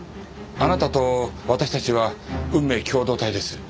あなたと私たちは運命共同体です。